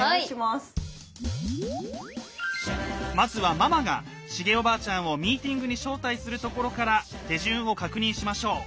まずはママがシゲおばあちゃんをミーティングに招待するところから手順を確認しましょう。